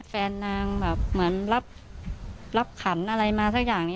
แฟนนางแบบเหมือนรับขันอะไรมาสักอย่างนี้